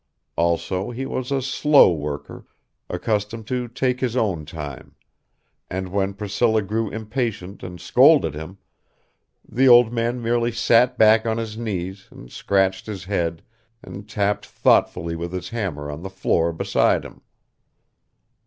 Also, he was a slow worker, accustomed to take his own time; and when Priscilla grew impatient and scolded him, the old man merely sat back on his knees, and scratched his head, and tapped thoughtfully with his hammer on the floor beside him.